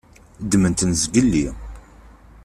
Ddment-ten zgelli.